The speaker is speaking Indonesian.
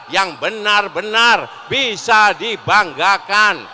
yang benar benar bisa dibanggakan